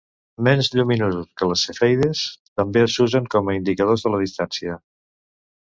Menys lluminosos que les cefeides, també s'usen com a indicadors de la distància.